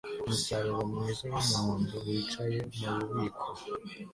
Umusaruro mwiza wumuhondo wicaye mububiko